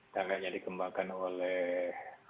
tangganya dikembangkan oleh